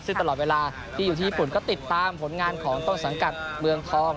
ซึ่งตลอดเวลาที่อยู่ที่ญี่ปุ่นก็ติดตามผลงานของต้นสังกัดเมืองทอง